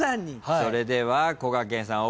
それではこがけんさん